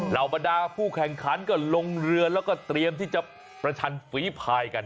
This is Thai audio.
บรรดาผู้แข่งขันก็ลงเรือแล้วก็เตรียมที่จะประชันฝีพายกัน